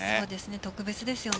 特別ですよね。